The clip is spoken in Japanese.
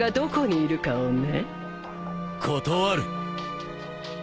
断る。